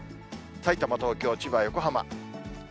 さいたま、東京、千葉、横浜。